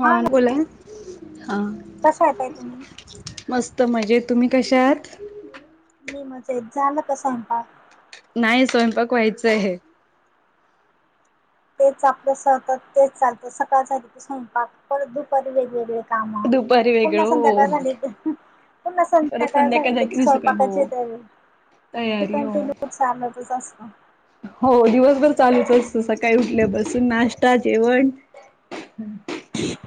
हा बोला हा कशा येताय तुम्ही मस्त मजेत तुम्ही कशे आहात? मी मजेत झालं सगयपाय नाही स्वयंपाक व्हायच आहे तेच आपलं सतत तेच चालतं सकाळ चालते ते स्वयंपाक परत दुपारी वेगवेगळ कामा दुपारी पुन्हा वेगळं हो संध्याकाळ झाली की पुन्हा परत संध्याकाळ झाली की दुसरं काय स्वयंपाकाची हो दळ तयारी हो कंटिन्यू चालतच असत. हो दिवसभर चालूच असत सकाळी उठल्यापासून नाश्ता जेवण तेच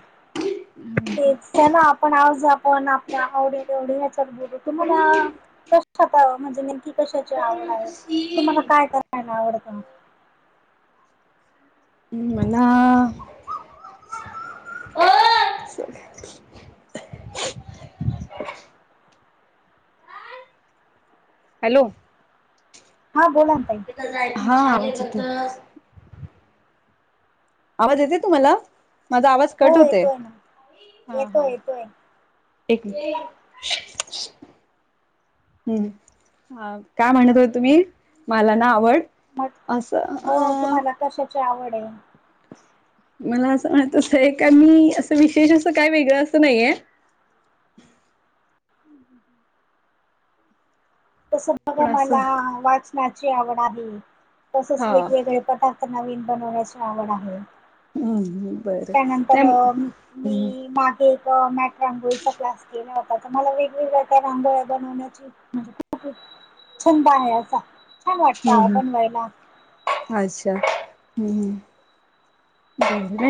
चला आपण आवज आपण आपल्या आवडे तेवढी ह्याच्यात बोलू तुम्हाला कशात म्हणजे नेमकी कशाची आवड आहे? तुम्हाला काय करायला आवडतं? हम मला हॅलो हा बोला ना ताई हा आवाज येते तुम्हाला माझा आवाज कट हो होतय येतोय ना हा हा येतोय येतोय एक [inaudible] हम् काय म्हणत होते तुम्ही मला ना आवड- मग असं हो अ तुम्हाला कशाची आवड हे मला अस वाटतय का मी अस विशेष अस काय वेगळ अस नाहीये [inaudible] तस बघा पण असं मला वाचनाची आवड आहे तसेच हा वेगवेगळे पदार्थ- नवीन बनवण्याची आवड आहे हम्म बरं त्यानंतर नाही मी हम्म मा एक मॅट रांगोलीचा क्लास केला होता तर मला वेगवेगळ्या त्या रांगोळ्या बनवण्याची म्हणजे छंद आहे असा छान वाटत ओ हम्म बनवायला अच्छा हम्म हम्म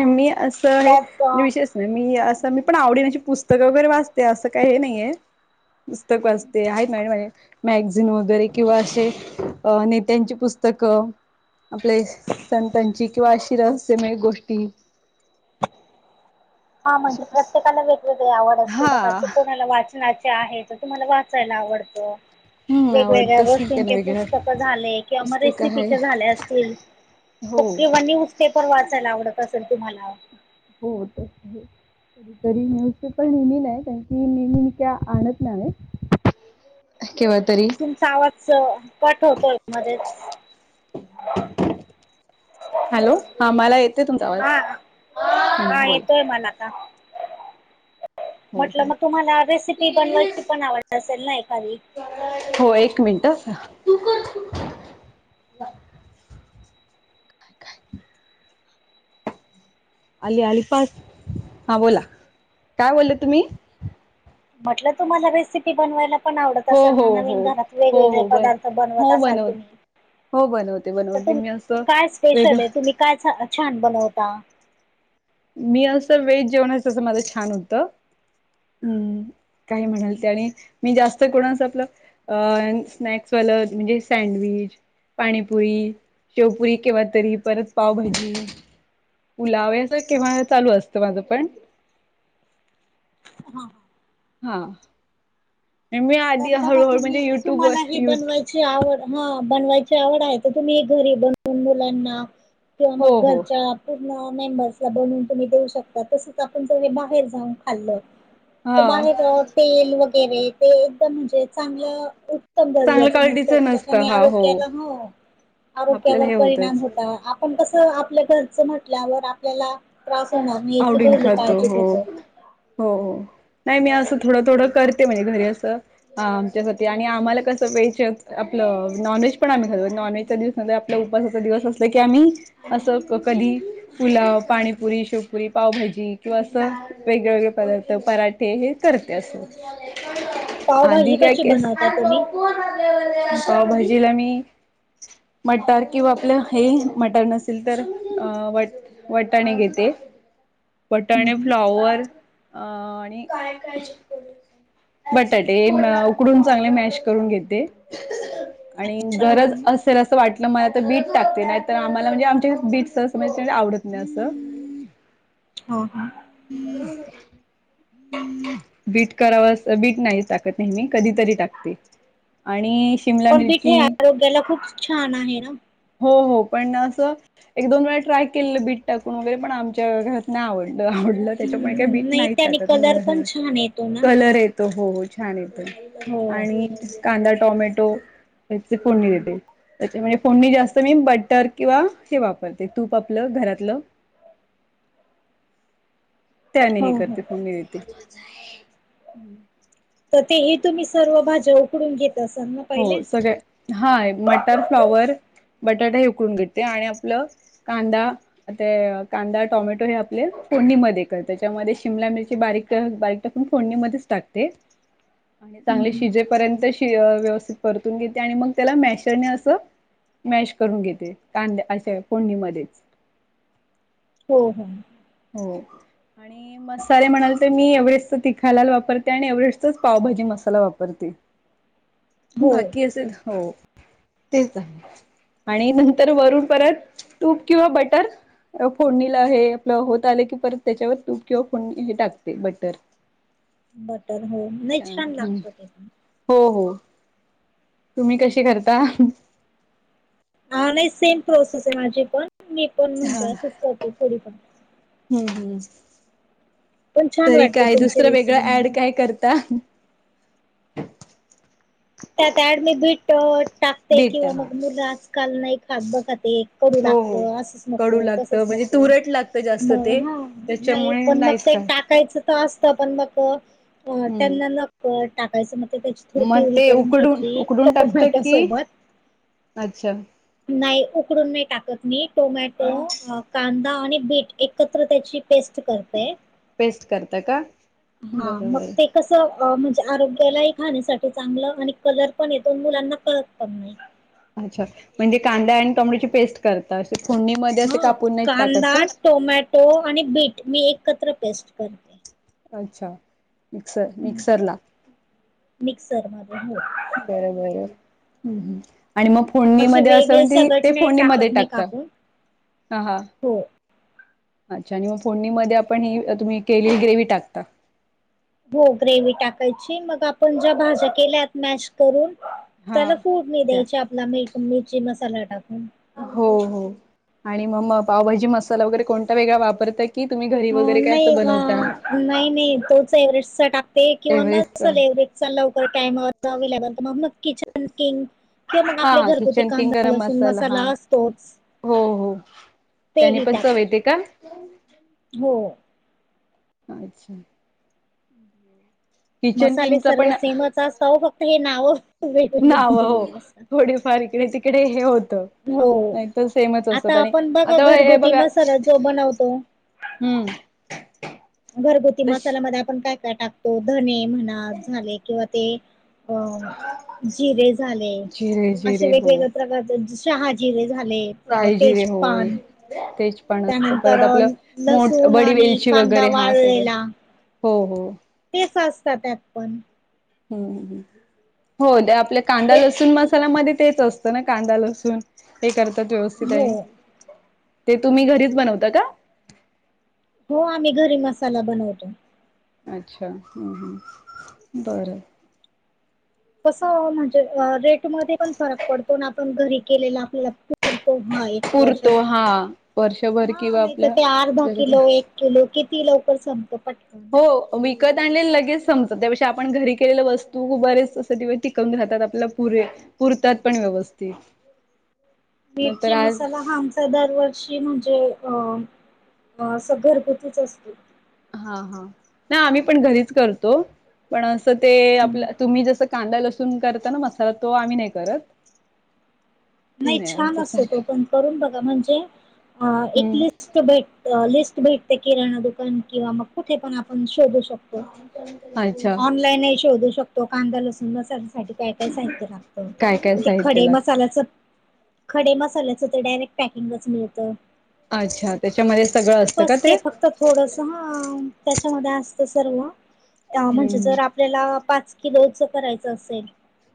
मी अस हे त्यात अ, विशेष नाय मी अस मी आवडणीची पुस्तक वगैरे वाचते अस काही हे नाहीय पुस्तक वाचते नाय माहित मॅगझिन वगैरे किंवा असे नेत्यांची पुस्तक आपले संतांची किंवा अशी रहस्यमय गोष्टी- हा अशी म्हणजे प्रत्येकाला वेगवेगळी आवड असते हा बघा तो कोणाला वाचनाचे आहे तुम्हाला वाचायला आवडत हम्म वेगवेगळ्या आवडतच त्यांना गोष्टींचे वेगळं पुस्तक झाले किंवा मग पुस्तक आहे रेसिपीचे झाले असतील हो किंवा न्यूज पेपर वाचायला आवडत असेल तुम्हाला हो तर आहे कधीतरी न्युजपेपर नेहमी नाही कारण की नेहमी मी काय आणत नाही केव्हा तरी तुमचा आवाज कट होतोय मध्येच हॅलो हा मला येते तुमचा आवाज हा हा हम्म बोला येतोय मला आता हो म्हटल हो मग तुम्हाला रेसिपी बनवायची पण आवड असेल ना एखादी हो एक मिनट काय काय [inaudible] आली आली फास्ट हा बोला काय बोलले तुम्ही म्हटल तुम्हाला रेसिपी बनवायला पण आवडत हो असल ना हो नवीन हो घरात हो वेगवेगळे हो बन पदार्थ बनवत हो असाल बनव तुम्ही हो बनवते तर बनवते तुम मी अस काय स्पेशल वेगळ आहे तुम्ही काय छान बनवता मी अस वेज जेवणस माझ छान होत हम् काही म्हणाल ते आणि मी जास्त कोणाच आपल अ स्नॅक्सवाल म्हणजे सँडविच पाणीपुरी, शेवपुरी केव्हा तरी परत पावभाजी पुलाव या केव्हा चालु असत माझ पण हा हा मी आधी तर बघा हळूहळू म्हणजे तुम्ही युट्यूब वर तुम्हाला हे यु बनवायच ची आवड हा बनवायची आवड आहे तर तुम्ही घरी बनवुन मुलांना किंवा हो मग हो घरच्या पुर्ण मेंबर्सला बनवुन तुम्ही देऊ शकता तसच आपण जरी हे बाहेर जाऊन खाल्लं तर हा बाहेर तेल वगैरे ते एकदम म्हणजे चांगल उत्तम चांगलं दर्जाच क्वालिटीचं नसत नसतं त्याच्याने हा आरोग्याला हो आपल्याला आरोग्यावर हे परिणाम होतच होता पण कसं आपल्या घरचं म्हटल्यावर आपल्याला त्रास होणार. आवडीन खातो हो [unintelligible] हो, नाही मी असं थोडं थोडं करते म्हणजे घरी असं आमच्यासाठी आणि आम्हाला कसं वेज, आपलं नॉनव्हेज पण आम्ही खाल्लं. नॉन व्हेजच्या दिवस आपल्या उपवासाचा दिवस असला की, आम्ही अस कधी पुलाव, पाणी पुरी, शेवपुरी, पावभाजी किंवा असं वेगळेवेगळे पदार्थ. परा ठे. ते हे करते अस. पावभाजी आधी काय कशी केस बनवता तुम्ही पावभाजीला मी मटार किंवा आपलं हे मटार नसेल तर, अ वट वटाणे घेत ते. हम्म वटाणे हम्म फ्लॉवर आणि बटाटे उकडून चांगले मॅश करून घेते, आणि अच्छा गरज हम्म अस जर असं वाटलं मला तर बीट टाकते. नाही तर, आम्हाला म्हणजे आमचे बीटज आवडत नाही असं हो हं. [unintelligible] बीट कराव अस बीट नाही टाकत नेहमी, कधीतरी टाकते आणि शिमला पण बीट हे मिरची आरोग्याला खूप छान आहे ना. हो हो, पण असं एक, दोन वेळा ट्राय केलंल बीट टाकून वगैरे पण आमच्या घरात नाही आवडलं. आवड त्याच्यामुळे काही बीट हम्म नाही त्याने टाकत मु कलर पण छान येतो ना कलर येत त हो हो, छान येतो हो आणि कांदा, टॉमॅटो फोडणी देते. त्याच्या मध्ये फोडणी जास्त मी बटर किंवा हे वापरते तूप आपलं घरातलं. त्यांनी हे हो हो करते, फोडणी देते. तर ते हे तुम्ही सर्व भाज्या उकडून घेत त्या हो, सगळ हा. मटर, फ्लॉवर, बटाटा हे उकडून घेते आणि आपलं कांदा ता कांदा, टोमॅटो हे आपले फोडणीमध्ये करते, त्याच्यामध्ये शिमला मिरची बारीक बारीक टाकून फोडणीमध्येच टाकते. रीकाम आहे आणि चांगले शिजेपर्यंत श व्यवस्थित परतून घेते, आणि मग त्याला मॅशरने असं मॅश करून घेते, कांद्या अशा फोडणीमध्ये. हो हो. हो. आणि मसाले म्हणाले तर, मी एव्हरेस्ट तिखालाल वापरते, आणि एव्हरेस्टच पावभाजी मसाला वापरते. रीकाम आहे बाकी अजून? हो, तेच आहे. आणि नंतर वरून परत तूप किंवा बटर फोडणीला हे होत आले की, परत त्याच्यावर तूप किंवा फो हे टाकते बटर. बटर हो, लईच छान लागत त्याच्या हो हो, तुम्ही कशी करता? हा नाही सेम प्रोसेस आहे माझी पण. मी पण हा म्हणजे अशीच करते थोडी फार. हम्म हम्म. पण छान तरी वाटली काय? तुमची दुसरं रेसिपी वेगळं ऍड म्हणून काय करता? त्यात ऍड मी बीट टाकते बीट किंवा हा. मग मुलं आजकाल नाही खात बघा ते कटू हो लागत, हो. असंच कडू नको, तसच लागतं म्हणजे नको, तुरट लागतं जास्त मग ते हा. नाही त्याच्यामुळे पण मग नाहीच ते एक खात. टाकायचं त असत पण मग अ हम्म त्यांना ना टाकायचं म ते त्याच्या मग ते उकडून, उकडून टाकत की, सोबत अच्छा नाही उकडून नाही टाकत मी टोमॅटो मग अ कांदा आणि बीट एकत्र त्याची पेस्ट करते. पेस्ट करता का? हा बरं मग बरं ते कसं म्हणजे आरोग्यालाही खाण्यासाठी चांगलं आणि कलर पण येतो अन मुलांना कळत पण नाही. अच्छा, म्हणजे कांदा आणि टोमॅटोची पेस्ट करता अशी फोडणी हा. कांदा, टोमॅटो आणि बीट मी एकत्र पेस्ट कर अच्छा, मिक्सर मिक्सरला मिक्सर मध्ये हो. बर बर, हं हं, आणि मग असे फोडणीमध्ये असं वेगळे म्हण सगट ते नाही फोणीमध्ये टाकत मी टाकता, कापून हा हा. हो अच्छा आणि मग फोडणीमध्ये आपण ही तुम्ही केलेली ग्रेव्ही टाकता. हो ग्रेव्ही टाकायची मग आपण ज्या भाज्या केल्यात मॅश करून हा त्याला फोडणी त्या द्यायची आपला मीठ, मिरची मसाला टाकून. हो हो, आणि मग म पावभाजी मसाला वगैरे कोणता वेगळा वापरताय की तुम्ही घरी अ वगैरे काय नाही असं अ बनवता? नाही नाही तोच एव्हरेस्टचा टाकते किंवा एव्हरेस्टचा नसल एव्हरेस्ट चा लवकर टाइमावर अवलेबल मग मग किचन किंग किंवा मग हा आपले हा घरगुती किचन किंग कांदा, गरम लसूण मसाला हा. असतोच. हो हो त्याने तेही पण चव टाकते. येते का? हो अच्छा [unintelligible] मसाले किंगच सर्व पण सेमच असता ओ फक्त हे नावं नावं हो, थोडेफार इकडे तिकडे हे होतं हो नाहीतर सेमच आता असतात आणि, आपण बघा आता हे घरगुती बघा मसाला जो बनवतो हम्म घरगुती मसाल्यामध्ये आपण काय काय टाकतो धने म्हणा झाले किंवा ते अ जिरे झाले जिरे असे जिरे हो वेगवेगळ्या प्रकारच शहाजीरे झाले. अ, शाहीजिरे होय, तेजपान तेज पान असत त्यानंतर परत आपलं मो लसूण बडी आणि वेलची वगैरे कांदा अरे हा सगळं, वाळलेला हो हो. तेच असतात त्यात पण. हम्म हं हं, हो आपल्या कांदा, ते लसूण मसाल्यामध्ये तेच असतं ना कांदा, लसूण. हे करतात व्यवस्थित हो आहे, ते तुम्ही घरीच बनवता का? हो आम्ही घरी मसाला बनवतो. अच्छा हम्म हम्म बर कस ओ म्हणजे रेट मध्ये पण फरक पडतो ना आपण घरी केलेला आपल्याला पूर तो हा एक पुरतो वर्षासाठी, हा वर्षभर हा किंवा नाही तर आपल्या ते अर्धा किलो, एक तो लो किती लवकर संपतो पटकन हो विकत आणलेल लगेच संपत त्यापेक्षा आपण घरी केलेल्या वस्तू खूप बरेच असे दिवस टिकवून राहतात आपल्याला पुरे, पुरतात पण व्यवस्थित. नंतर मिरची आज मसाला आम च्या कडे दर वर्षी म्हणजे अ अस घरगुतीच असते. हा हा ना आम्ही पण घरीच करतो पण असं ते आपलं तुम्ही जस कांदा लसून करताना मसाला तो आम्ही नाही करत ते नाही छान आमचं असतो चालेल पण करून बघा म्हणजे एकलिस्ट भेट लिस्ट भेटते किराणा दुकान किंवा मग कुठे पण आपण शोधू शकतो. अच्छा ऑनलाईनही शोधू शकतो. कांदा लसून मसाल्यासाठी काय काय साहित्य काय काय लागत ते साहित्य खडे लागतं मसाल्याचं? खडे मसाल्याचं तर डायरेक्ट पॅकिंगच मिळतं. अच्छा त्याच्यामध्ये सगळं असतं का बस ते? फक्त थोडस हा त्याच्यामध्ये असत. सर्व म्हणजे हम्म जर आप आपल्याला पाच किलोच करायच असेल.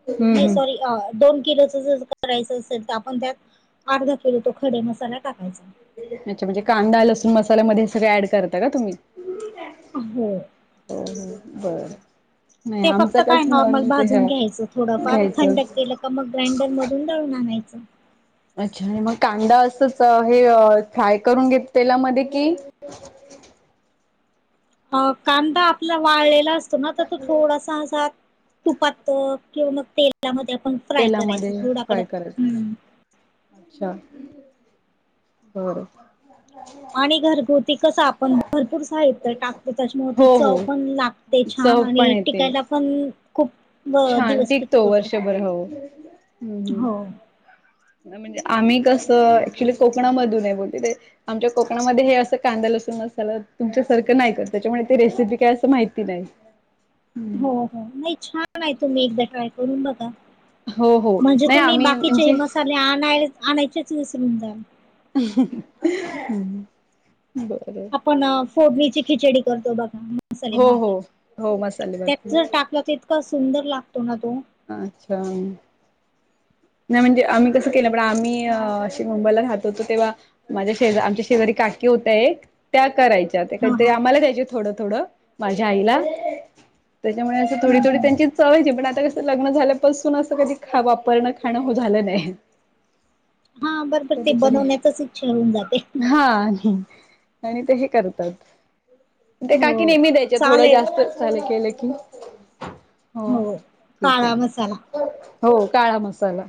हम्म नाही हम्म सॉरी दोन किलोच जर करायच असेल. 'तर आपण त्यात अर्धा किलो तो खडे मसाला टाकायचा'. अच्छा म्हणजे कांदा लसूण मसाल्यामध्ये सगळं ऍड करता का तुम्ही हो हो हो बर- ते फक्त काय नॉर्मल भाजून ह घ्यायचं. थोडंफार घ्यायचं थंड केलं मग ग्राइंडर मधून दळून आणायचं. अच्छा आणि मग कांदा असंच. हे फ्राय करून घेत तेलामध्ये कि अ कांदा आपला वाळलेला असतो. ना तर मग तो थोडासा असा तुपात किंवा मग तेलामध्ये आपण फ्राय करायचं तेलामध्ये थोडा फ्राय कडक, करायचं हम अच्छा बर. आणि घरगुती कसं आपण भरपूर साहित्य टाकतो. त्याच्यामुळे ती हो चव हो पण लाग ते छान चव पण आणि येते टिकायला पण खूप व छान दिवस टिकतो टीकतो तो, वर्षभर हो हम्म हो म्हणजे आम्ही कसं ऍक्च्युली कोकणामधून आहे बोलते आमच्या कोकणामध्ये हे असं कांदा लसूण मसला तुमच्यासारखं नाही. करत त्याच्यामुळे ते रेसिपी काय असं माहिती नाही. हो हो नाही छान आहे. तुम्ही एकदा ट्राय करून बघा. हो हो म्हणजे नाही तुम्ही आम्ही बाकीचे हे म्हणजे मसाले आणाय आणायचेच विसरून झाल. हहह बर आपण फोडणीची खिचडी करतो. बघा मसाले हो भात हो हो मसाले भात त्यात जर टाकलं त इतका सुंदर लागतो ना तो अच्छा! नाही म्हणजे आम्ही कसं केलं. पण आम्ही अशी मुंबईला राहत होतो तेव्हा माझ्या शेजा आमच्या शेजारी काकी होत. एक त्या करायच्या त्या हा काधी तरी हा आम्हाला द्यायचे थोडं थोड माझ्या आईला त्याच्यामुळे असं थोडी हम्म थोडी हम्म त्यांची चव यायची पण आता कसं लग्न झाल्यापासून असं कधी खावा वापरन खान हो झालं नाही. हा बरोबर ते कधीतरी बनवण्यातच इच्छा होऊन जाते हा. आणि ते हे करतात. ते काकी हो नेहमी द्यायचे थोडं चालेल जास्त चाले केलं की हो हो ठीक आहे. काळा मसाला हो काळा मसाला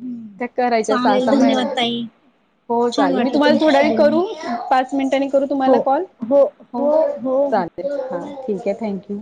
हम्म त्या करायच्या सहा चालेल सहा धन्यवाद महिन्या ताई हो छान चालेल. मी वाटलं तुम्हाला थोड्या तुमच्याशी वेळाने बोलून करू पाच मिनिटांनी करू हो तुम्हाला कॉल हो चालेल. हा ठीक हे थँक यू.